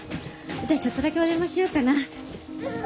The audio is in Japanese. じゃあちょっとだけお邪魔しようかな。